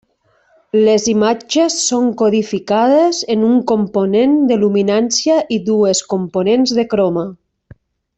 Les imatges són codificades en una component de luminància i dues components de croma.